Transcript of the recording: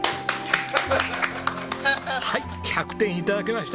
はい１００点頂きました！